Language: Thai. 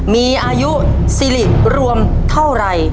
มีอายุซิริรวมเท่าไร